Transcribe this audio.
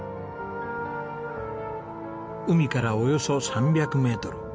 海からおよそ３００メートル。